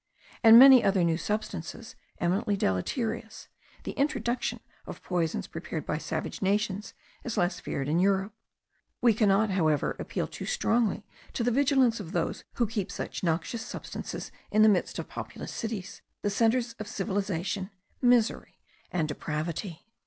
and many other new substances eminently deleterious, the introduction of poisons prepared by savage nations is less feared in Europe; we cannot however appeal too strongly to the vigilance of those who keep such noxious substances in the midst of populous cities, the centres of civilization, misery, and depravity.